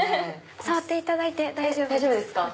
触っていただいて大丈夫です。